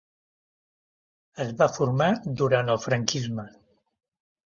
Es va formar durant el franquisme.